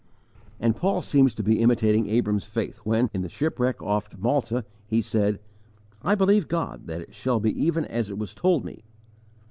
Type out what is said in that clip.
And Paul seems to be imitating Abram's faith when, in the shipwreck off Malta, he said, "I believe God, that it shall be even as it was told me."